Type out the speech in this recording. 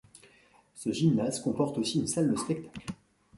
Ce gymnase comporte aussi une salle de spectacle.